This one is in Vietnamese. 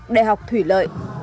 đại học thủy lợi